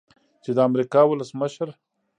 چې د امریکا ولسمشر